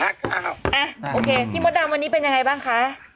โอเคพี่มดดำวันนี้เป็นยังไงบ้างคะ